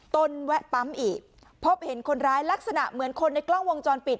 แวะปั๊มอีกพบเห็นคนร้ายลักษณะเหมือนคนในกล้องวงจรปิด